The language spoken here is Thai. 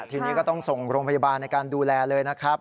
ทีนี้ก็ต้องส่งโรงพยาบาลในการดูแลเลยนะครับ